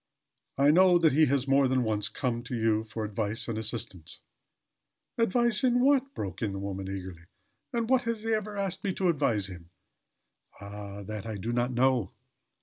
I know that he has more than once come to you for advice and assistance " "Advice, in what?" broke in the woman, eagerly. "In what has he ever asked me to advise him?" "Ah! That I do not know.